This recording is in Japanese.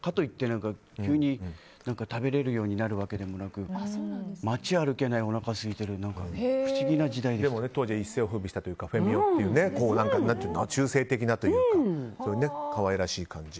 かといって急に食べれるようになるわけでもなく街を歩けない、おなかすいてる当時、一世を風靡したフェミ男っていう中性的なというか可愛らしい感じ。